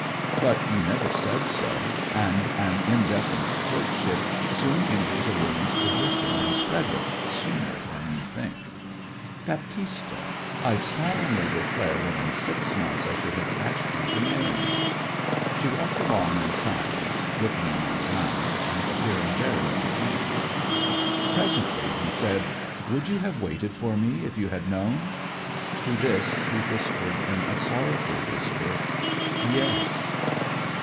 'But you never said so, and an indefinite courtship soon injures a woman's position and credit, sooner than you think.' 'Baptista, I solemnly declare that in six months I should have asked you to marry me.' She walked along in silence, looking on the ground, and appearing very uncomfortable. Presently he said, 'Would you have waited for me if you had known?' To this she whispered in a sorrowful whisper, 'Yes!'